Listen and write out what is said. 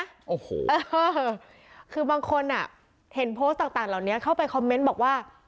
โอ้โหเออคือบางคนอ่ะเห็นโพสต์ต่างเหล่านี้เข้าไปคอมเมนต์บอกว่า